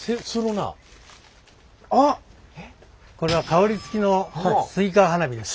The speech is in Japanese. これは香りつきのスイカ花火です。